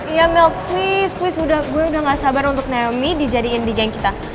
ya mel please please gue udah gak sabar untuk naomi dijadiin di geng kita